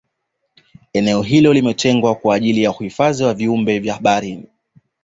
eneo hilo limetengwa kwa ajili ya uhifadhi wa viumbe vya baharini